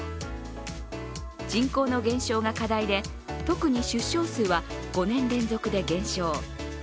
人口の減少が課題で特に出生数は５年連続で減少。